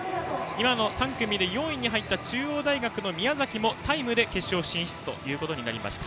３組で４位に入った中央大学の宮崎もタイムで決勝進出となりました。